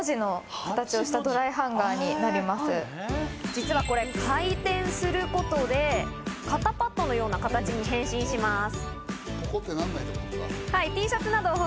実はこれ、回転することで肩パットのような形に変身します。